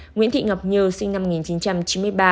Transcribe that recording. nguyễn thị ngọc như sinh năm một nghìn chín trăm chín mươi ba